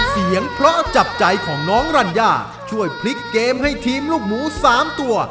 เสียงเพราะจับใจของน้องรัญญาช่วยพลิกเกมให้ทีมลูกหมู๓ตัว